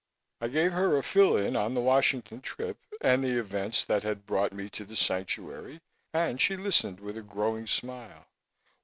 I gave her a fill in on the Washington trip and the events that had brought me to The Sanctuary, and she listened with a growing smile.